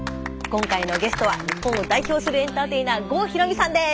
今回のゲストは日本を代表するエンターテイナー郷ひろみさんです。